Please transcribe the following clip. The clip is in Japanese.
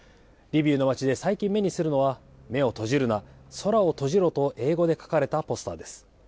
リビウの街で最近、目にするのは、目を閉じるな、空を閉じろと英語で書かれたポスターです。